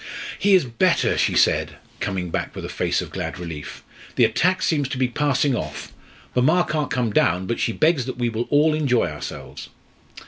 "He is better," she said, coming back with a face of glad relief. "The attack seems to be passing off. Mamma can't come down, but she begs that we will all enjoy ourselves."